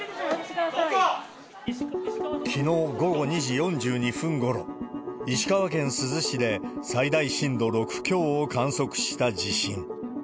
きのう午後２時４２分ごろ、石川県珠洲市で、最大震度６強を観測した地震。